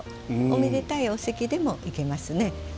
おめでたいお席でもいけますね。